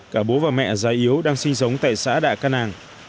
cả bố và mẹ già yếu đang sinh sống tại xã đạ căn nàng